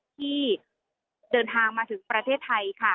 ที่เดินทางมาถึงประเทศไทยค่ะ